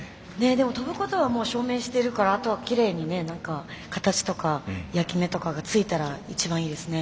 でも跳ぶことはもう証明してるからあとはきれいにね何か形とか焼き目とかがついたら一番いいですね。